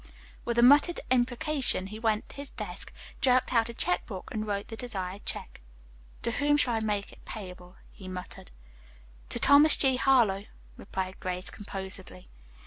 With a muttered imprecation he went to his desk, jerked out a checkbook and wrote the desired check. "To whom shall I make it payable?" he muttered. "To Thomas G. Harlowe," replied Grace composedly.